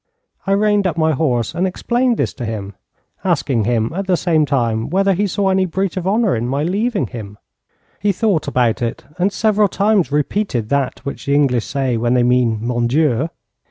I reined up my horse and explained this to him, asking him at the same time whether he saw any breach of honour in my leaving him. He thought about it, and several times repeated that which the English say when they mean 'Mon Dieu.'